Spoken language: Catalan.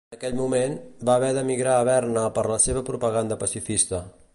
En aquell moment, va haver d'emigrar a Berna per la seva propaganda pacifista.